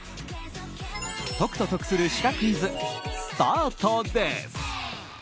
解くと得するシカクイズスタートです。